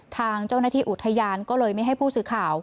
ทางเจ้าหน้าที่อุทยานก็เลยไม่ให้ผู้สื่อข่าว